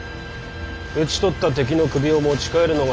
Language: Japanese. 討ち取った敵の首を持ち帰るのが困難な場合